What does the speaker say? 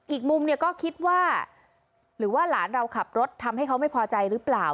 อีกมุมเนี่ยก็คิดว่าหรือว่าหลานเราขับรถทำให้เขาไม่พอใจหรือเปล่า